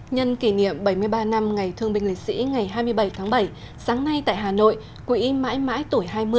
nhân kỷ niệm bảy mươi ba năm ngày thương bình liệt sĩ ngày hai mươi bảy tháng bảy sáng nay tại hà nội quỹ mãi mãi tuổi hai mươi